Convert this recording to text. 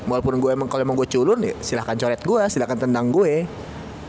walaupun gue emang kalo emang gue culun ya silahkan coret gue silahkan teman teman gue ya